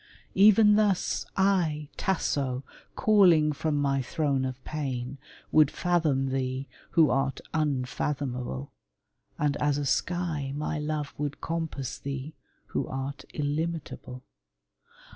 Even thus I, Tasso, calling from my throne of pain, Would fathom thee, who art unfathomable, And as a sky my love would compass thee, Who art illimitable.